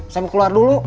saya mau keluar dulu